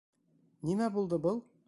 — Нимә булды был?